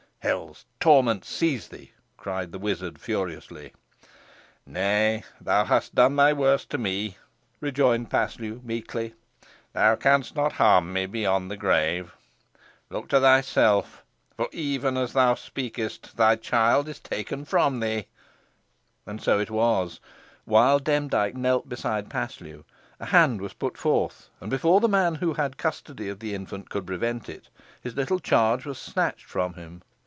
"Hell's torments seize thee!" cried the wizard, furiously. "Nay, thou hast done thy worst to me," rejoined Paslew, meekly, "thou canst not harm me beyond the grave. Look to thyself, for even as thou speakest, thy child is taken from thee." And so it was. While Demdike knelt beside Paslew, a hand was put forth, and, before the man who had custody of the infant could prevent it, his little charge was snatched from him.